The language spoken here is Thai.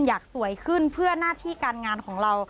อยากสวยขึ้นเพื่อหน้าที่การงานของเรา